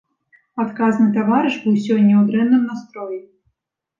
Адказны таварыш быў сёння ў дрэнным настроі.